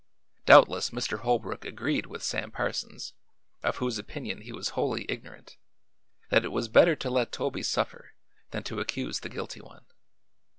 Doubtless Mr. Holbrook agreed with Sam Parsons of whose opinion he was wholly ignorant that it was better to let Toby suffer than to accuse the guilty one.